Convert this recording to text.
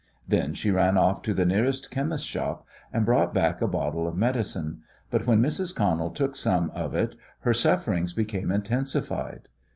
Then she ran off to the nearest chemist's shop and brought back a bottle of medicine, but when Mrs. Connell took some of it her sufferings became intensified.